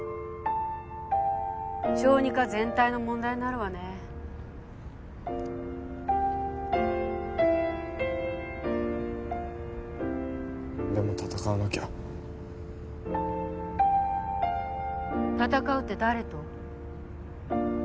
小児科全体の問題になるわねでも戦わなきゃ戦うって誰と？